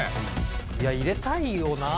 いや入れたいよなあ